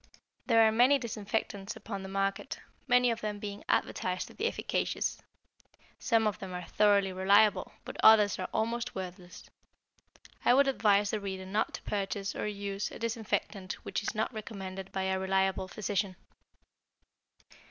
There are many disinfectants upon the market, many of them being advertised to be efficacious. Some of them are thoroughly reliable, but others are almost worthless. I would advise the reader not to purchase or use a disinfectant which is not recommended by a reliable physician.